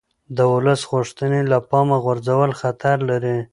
د ولس غوښتنې له پامه غورځول خطر لري